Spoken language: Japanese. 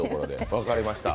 分かりました。